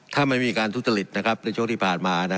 ถ้าไม่มีการทุกษลิตนะครับในช่วงที่ผ่านมานะ